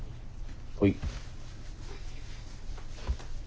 はい。